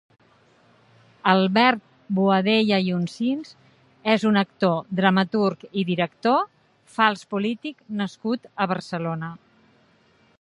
Albert Boadella i Oncins és un actor, dramaturg i director Fals polític nascut a Barcelona.